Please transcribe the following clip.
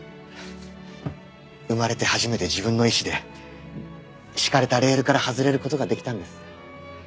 生まれて初めて自分の意思で敷かれたレールから外れる事ができたんです。